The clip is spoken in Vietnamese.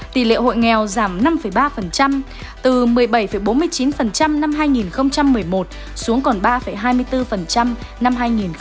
tỷ lệ hội nghèo giảm năm ba từ một mươi bảy bốn mươi chín năm hai nghìn một mươi một xuống còn ba hai mươi bốn năm hai nghìn một mươi